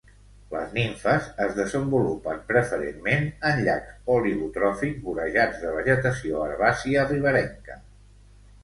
Les nimfes es desenvolupen preferentment en llacs oligotròfics vorejats de vegetació herbàcia riberenca.